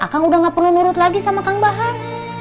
kang udah nggak perlu nurut lagi sama kang bahar